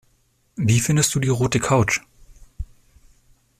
Wie findest du die rote Couch?